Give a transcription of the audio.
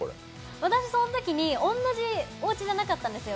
私、そのときに同じおうちじゃなかったんですよ。